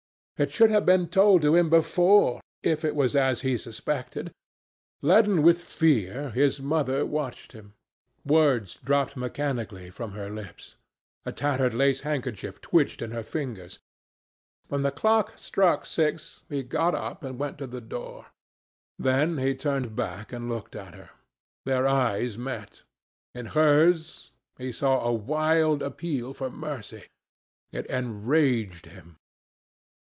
It should have been told to him before, if it was as he suspected. Leaden with fear, his mother watched him. Words dropped mechanically from her lips. A tattered lace handkerchief twitched in her fingers. When the clock struck six, he got up and went to the door. Then he turned back and looked at her. Their eyes met. In hers he saw a wild appeal for mercy. It enraged him.